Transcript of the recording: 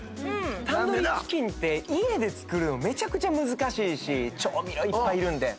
タンドリーチキンって家で作るのめちゃくちゃ難しいし調味料いっぱいいるんで。